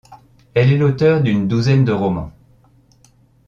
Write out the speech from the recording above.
Elle est l'auteure d'une douzaine de romans.